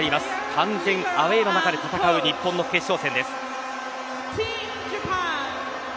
完全アウェーの中で戦う日本の決勝戦です。